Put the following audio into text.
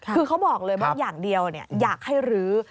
คือเขาบอกเลยว่าอย่างเดียวอยากให้รื้อ